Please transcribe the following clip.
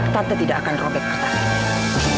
tante tidak akan robek kertas itu